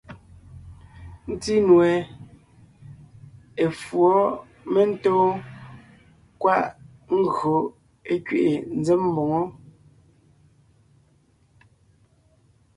Ńtí nue, efǔɔ mentóon kwaʼ ńgÿo é kẅiʼi ńzém mboŋó.